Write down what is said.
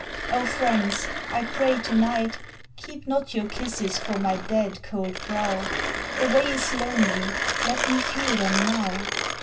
Oh, friends, I pray to night, Keep not your kisses for my dead, cold brow The way is lonely; let me feel them now.